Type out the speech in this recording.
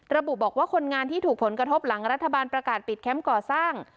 ระบุบอกว่าคนงานที่ถูกผลกระทบหลังรัฐบาลประกาศปิดแคมป์ก่อสร้าง